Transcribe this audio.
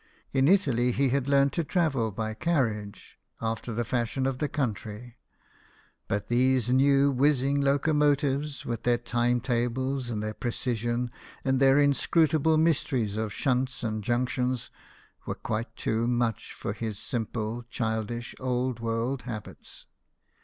In Italy, he had learnt to travel by carriage, after the fashion of the country ; but these new whizzing locomotives, with their time tables, and their precision, and their in scrutable mysteries of shunts and junctions, were quite too much for his simple, childish, old world habits.